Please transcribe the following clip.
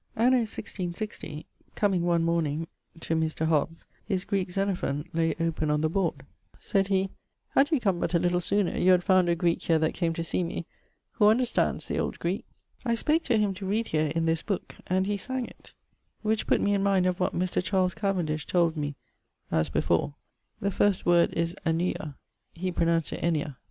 Anno 1660 comeing one morning to Mr. Hobbes, his Greeke Xenophon lay open on the board: sayd he, 'Had you come but a little sooner you had found a Greeke here that came to see me, who understands the old Greeke; I spake to him to read here in this booke, and he sang it; which putt me in mind of what Mr. Charles Cavendish told me' (as before); 'the first word is Ἔννοια, he pronounced it e̓́nnia.'